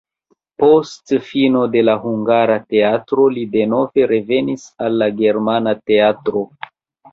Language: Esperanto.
Post fino de la hungara teatro li denove revenis al la germana teatro.